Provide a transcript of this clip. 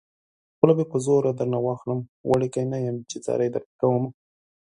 خوله به په زوره درنه واخلم وړوکی نه يم چې ځاري درته کومه